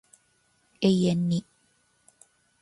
永遠に